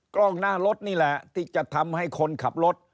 กล้องหน้ารถนี่แหละที่จะทำให้คนขับรถ